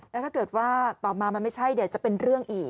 แล้วถ้าเกิดว่าต่อมามันไม่ใช่เดี๋ยวจะเป็นเรื่องอีก